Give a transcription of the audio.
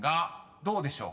［どうでしょう？